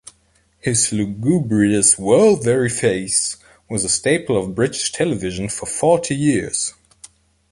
His lugubrious world-weary face was a staple of British television for forty years.